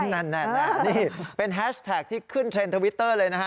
นั่นนี่เป็นแฮชแท็กที่ขึ้นเทรนด์ทวิตเตอร์เลยนะฮะ